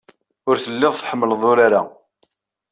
Ur telliḍ tḥemmleḍ urar-a.